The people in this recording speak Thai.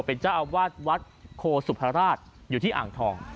เป็นเจ้าอาวาสวัดโคสุภาราชอยู่ที่อ่างทอง